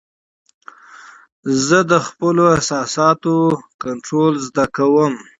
زه د خپلو احساساتو کنټرول زده کوم.